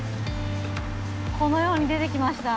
このように出てきました。